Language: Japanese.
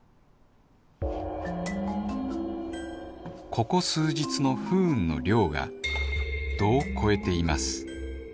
ここ数日の不運の量が度を超えています